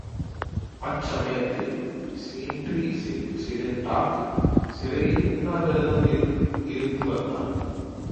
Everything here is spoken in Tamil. அச்சமயத்தில் ஸீன்டிரீஸிடண்டாக் சிறையில் உண்ணாவிரதம் இருந்துவந்தான்.